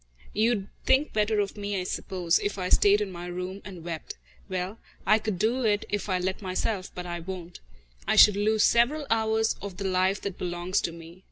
You'd think better of me, I suppose, if I stayed in my room and wept. Well, I could do it if I let myself, but I won't. I should lose several hours of the life that belongs to me.